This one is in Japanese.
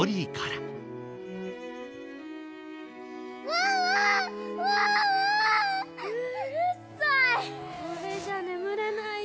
うるさい！